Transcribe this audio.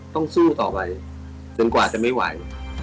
สู้ต่อไปจนกว่าจะไม่ไหว